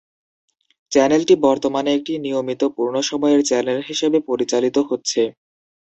চ্যানেলটি বর্তমানে একটি নিয়মিত পূর্ণ-সময়ের চ্যানেল হিসেবে পরিচালিত হচ্ছে।